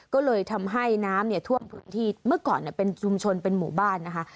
ก็เลยทำให้น้ำเนี่ยท่วมพื้นที่เมื่อก่อนเป็นชุมชนเป็นหมู่บ้านนะคะ